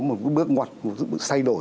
một bước ngoặt một bước xây đổi